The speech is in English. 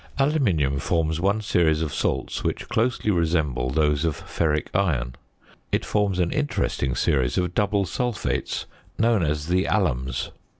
Aluminium forms one series of salts which closely resemble those of ferric iron. It forms an interesting series of double sulphates, known as the alums.